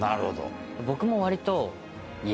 僕も割と。